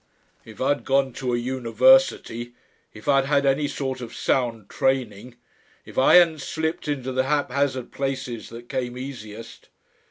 "If I'd gone to a university; if I'd had any sort of sound training, if I hadn't slipped into the haphazard places that came easiest....